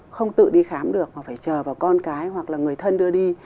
không tự đi khám được mà phải chờ vào con cái hoặc là người thân đưa đi